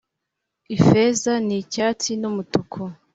ifeza n'icyatsi n'umutuku